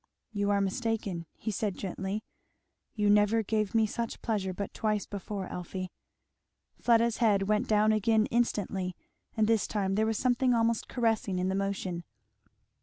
"You are mistaken," he said gently. "You never gave me such pleasure but twice before, Elfie." Fleda's head went down again instantly, and this time there was something almost caressing in the motion.